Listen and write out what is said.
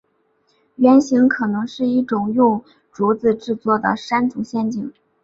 原型可能是一种用竹子制作的山猪陷阱。